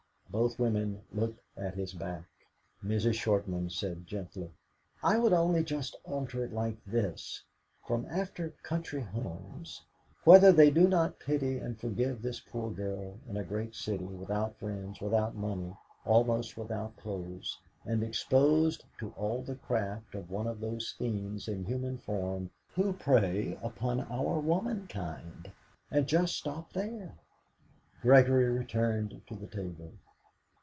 Both women looked at his back. Mrs. Shortman said gently: "I would only just alter it like this, from after 'country homes'. '.hether they do not pity and forgive this poor girl in a great city, without friends, without money, almost without clothes, and exposed to all the craft of one of those fiends in human form who prey upon our womankind,' and just stop there." Gregory returned to the table.